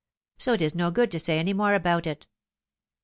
So it is no good to say any more about it."